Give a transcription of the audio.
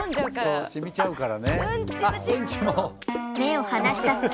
そう染みちゃうからね。